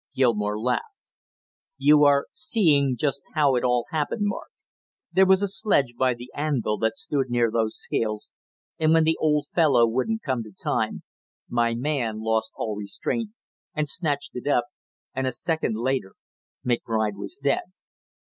Gilmore laughed. "You are seeing just how it all happened, Marsh. There was a sledge by the anvil that stood near those scales, and when the old fellow wouldn't come to time, my man lost all restraint and snatched it up, and a second later McBride was dead.